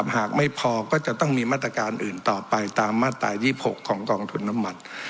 หากไม่พอก็จะต้องมีมาตรการอื่นต่อไปตามมาตราย๒๖ของกองทุนน้ำมัน